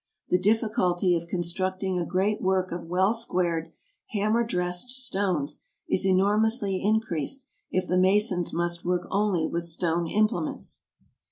The difficulty of con structing a great work of well squared, hammer dressed stones is enormously increased if the masons must work only with stone implements.